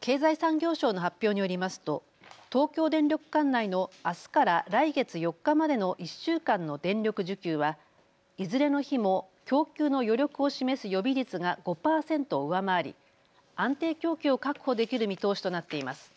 経済産業省の発表によりますと東京電力管内のあすから来月４日までの１週間の電力需給はいずれの日も供給の余力を示す予備率が５％を上回り安定供給を確保できる見通しとなっています。